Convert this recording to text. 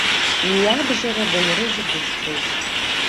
Мҩабжара дынрыжьит дызцыз.